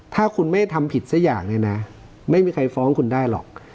ถ้าคุณไม่ทำผิดสักอย่างเนี่ยนะไม่มีใครฟ้องคุณได้หรอก